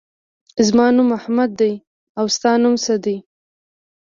زما نوم احمد دی. او ستا نوم څه دی؟